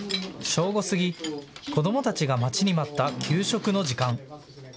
正午過ぎ、子どもたちが待ちに待った給食の時間。